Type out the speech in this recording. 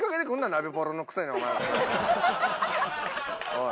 おい。